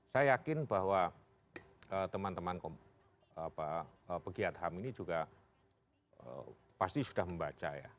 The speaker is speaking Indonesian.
saya yakin bahwa teman teman pegiat ham ini juga pasti sudah membaca ya